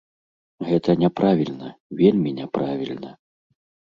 Гэта няправільна, вельмі няправільна.